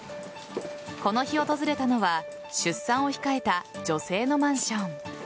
この日、訪れたのは出産を控えた女性のマンション。